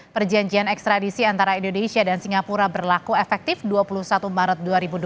perjanjian ekstradisi antara indonesia dan singapura berlaku efektif dua puluh satu maret dua ribu dua puluh